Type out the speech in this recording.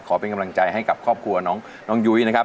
เป็นกำลังใจให้กับครอบครัวน้องยุ้ยนะครับ